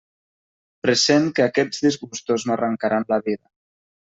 Pressent que aquests disgustos m'arrancaran la vida.